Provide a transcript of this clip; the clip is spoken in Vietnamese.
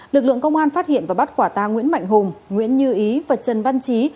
lực lượng công an phát hiện và bắt quả tang nguyễn mạnh hùng nguyễn như ý và trần văn trí